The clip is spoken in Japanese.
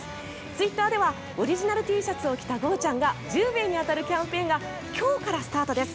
ツイッターではオリジナルＴシャツを着たゴーちゃん。が１０名に当たるキャンペーンが今日からスタートです。